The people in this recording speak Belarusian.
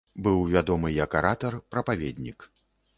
Быў вядомы як аратар, прапаведнік.